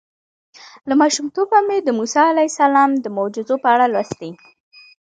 له ماشومتوبه مې د موسی علیه السلام د معجزو په اړه لوستي.